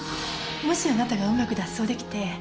もしあなたがうまく脱走できて。